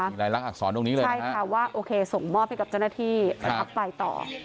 มีรายลักษณ์อักษรตรงนี้เลยนะคะใช่ค่ะว่าโอเคส่งมอบไปกับเจ้าหน้าที่สำหรับไปต่อ